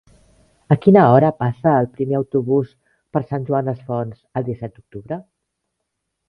A quina hora passa el primer autobús per Sant Joan les Fonts el disset d'octubre?